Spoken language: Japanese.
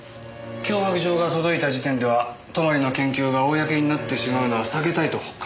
脅迫状が届いた時点では泊の研究が公になってしまうのは避けたいと考えていたんです。